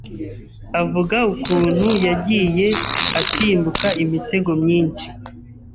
avuga ukuntu yagiye asimbuka imitego myinshi